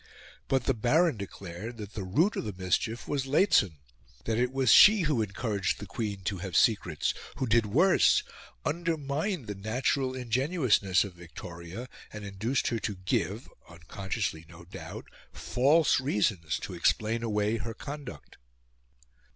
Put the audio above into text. But the Baron declared that the root of the mischief was Lehzen: that it was she who encouraged the Queen to have secrets; who did worse undermined the natural ingenuousness of Victoria, and induced her to give, unconsciously no doubt, false reasons to explain away her conduct.